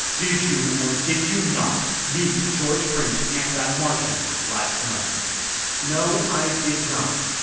Did you or did you not meet George Prince and that Martian, last night?" "No, I did not.